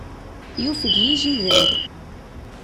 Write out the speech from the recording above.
Yufeg yijider.